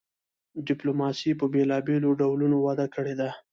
ډیپلوماسي په بیلابیلو ډولونو وده کړې ده